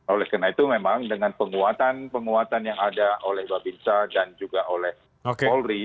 oleh karena itu memang dengan penguatan penguatan yang ada oleh babinsa dan juga oleh polri